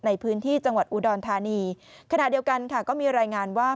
ในพื้นที่จังหวัดอุดรธานีขณะเดียวกันค่ะก็มีรายงานว่า